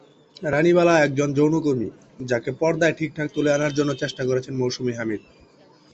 রানীবালা একজন যৌনকর্মী, যাঁকে পর্দায় ঠিকঠাক তুলে আনার চেষ্টা করছেন মৌসুমী হামিদ।